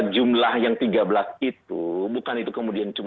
jumlah yang tiga belas itu bukan itu kemudian cuma tiga belas